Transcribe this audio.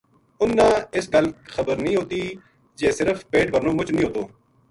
اُنھ نا اس گل خبر نیہہ ہوتی جے صرف پیٹ بھرنو مُچ نیہہ ہوتو